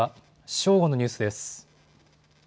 正午のニュースです。